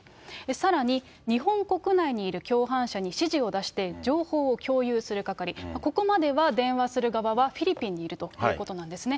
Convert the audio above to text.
さらに、日本国内にいる共犯者に指示を出して、情報を共有する係、ここまでは電話する側はフィリピンにいるということなんですね。